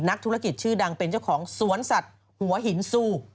นักธุรกิจชื่อดังเป็นเจ้าของสวนสัตว์หัวหินซู